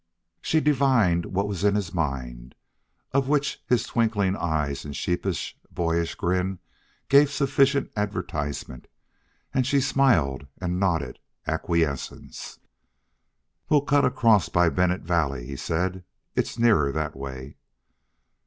She divined what was in his mind, of which his twinkling eyes and sheepish, boyish grin gave sufficient advertisement, and she smiled and nodded acquiescence. "We'll cut across by Bennett Valley," he said. "It's nearer that way."